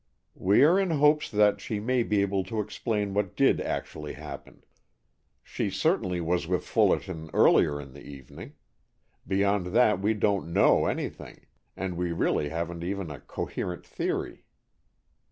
"We are in hopes that she may be able to explain what did actually happen. She certainly was with Fullerton earlier in the evening. Beyond that we don't know anything, and we really haven't even a coherent theory."